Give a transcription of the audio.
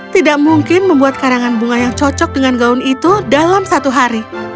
tidak mungkin membuat karangan bunga yang cocok dengan gaun itu dalam satu hari